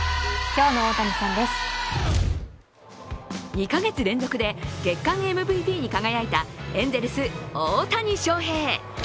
２か月連続で月間ＭＶＰに輝いたエンゼルス・大谷翔平。